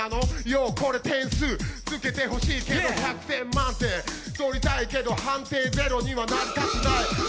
よー、これ点数つけてほしいけど１００点満点取りたいけど判定０にはなりたくない。